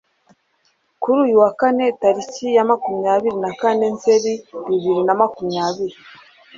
Kuri uyu wa kane tariki ya makumyabiri nakane Nzeri bibiri na makumyabiri